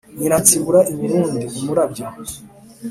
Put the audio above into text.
Nyiransibura i Burundi-Umurabyo.